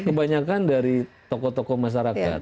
kebanyakan dari tokoh tokoh masyarakat